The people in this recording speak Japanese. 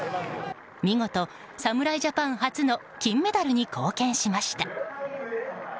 見事、侍ジャパン初の金メダルに貢献しました。